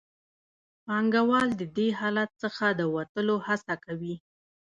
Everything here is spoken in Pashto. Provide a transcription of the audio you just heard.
پانګوال د دې حالت څخه د وتلو هڅه کوي